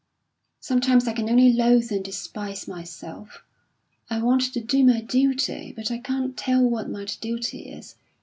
Sometimes I can only loathe and despise myself. I want to do my duty, but I can't tell what my duty is.